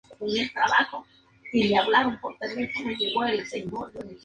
Sus miembros son originarios del sudeste asiático y Australasia.